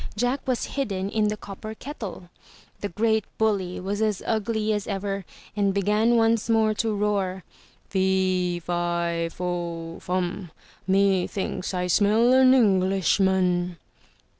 Jack was hidden in the copper kettle. The great bully was as ugly as ever, and began once more to roar: *Tee Fi Fo Fum, Methinks I smell an Englishman!"